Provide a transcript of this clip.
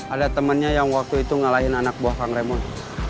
ada temennya yang waktu itu ngalahin anak buah frank raymond